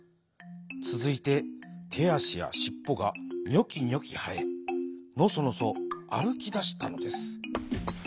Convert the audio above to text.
つづいててあしやしっぽがニョキニョキはえノソノソあるきだしたのです。